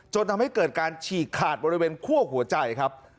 จนทำให้เกิดการฉีกขาดบริเวณคั่วหัวใจครับ